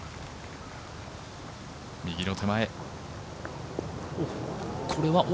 右の手前。